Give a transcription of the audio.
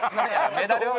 メダルを？